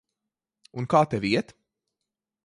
Un kā tev iet?